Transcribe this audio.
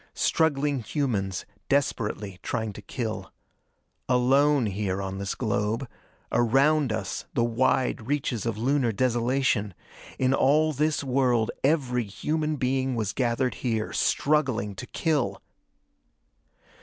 Struggling humans, desperately trying to kill. Alone here on this globe. Around us, the wide reaches of Lunar desolation. In all this world, every human being was gathered here, struggling to kill!